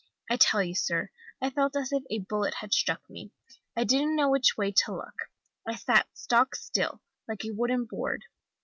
I tell you, sir, I felt as if a bullet had struck me. I didn't know which way to look. I sat stock still, like a wooden board.